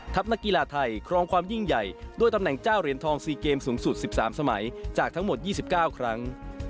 นักกีฬาไทยครองความยิ่งใหญ่ด้วยตำแหน่งเจ้าเหรียญทอง๔เกมสูงสุด๑๓สมัยจากทั้งหมด๒๙ครั้ง